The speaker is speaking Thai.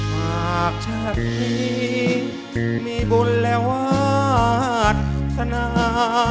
หากชาตินี้มีบุญและวาสนา